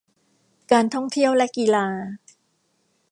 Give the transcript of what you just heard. การท่องเที่ยวและกีฬา